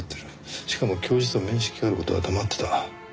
しかも教授と面識がある事は黙ってた。